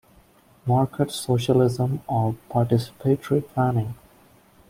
Market Socialism or Participatory Planning?